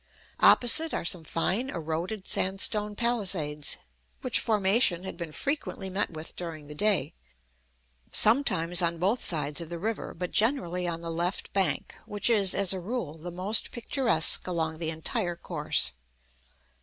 Opposite are some fine, eroded sandstone palisades, which formation had been frequently met with during the day, sometimes on both sides of the river, but generally on the left bank, which is, as a rule, the most picturesque along the entire course.